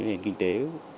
nền kinh tế